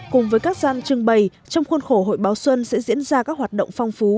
cùng với các gian trưng bày trong khuôn khổ hội báo xuân sẽ diễn ra các hoạt động phong phú